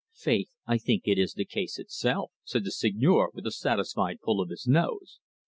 "Faith, I think it is the case itself," said the Seigneur with a satisfied pull of his nose.